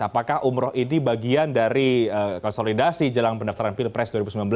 apakah umroh ini bagian dari konsolidasi jalan pendaftaran pilpres